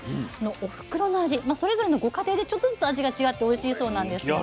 それぞれのご家庭でちょっとずつ味が違っておいしいそうなんですよ。